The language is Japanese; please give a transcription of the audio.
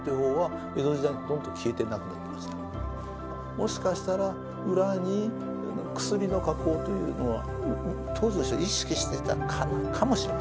もしかしたら裏に薬の加工というのは当時の人は意識してたかもしれません。